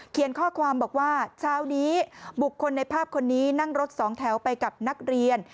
ข้อความบอกว่าเช้านี้บุคคลในภาพคนนี้นั่งรถสองแถวไปกับนักเรียน